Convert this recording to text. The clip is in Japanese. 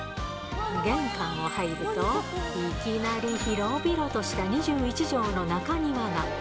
玄関を入ると、いきなり広々とした２１畳の中庭が。